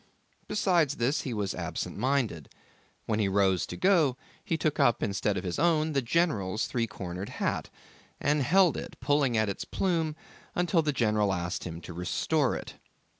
Besides this he was absent minded. When he rose to go, he took up instead of his own, the general's three cornered hat, and held it, pulling at the plume, till the general asked him to restore it.